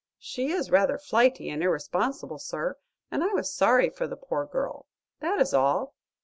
She is rather flighty and irresponsible, sir, and I was sorry for the poor girl. That is all.